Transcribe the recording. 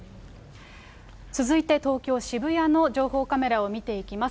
続いて東京・渋谷の情報カメラを見ていきます。